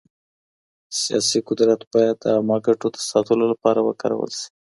سياسي قدرت بايد د عامه ګټو د ساتلو لپاره وکارول سي.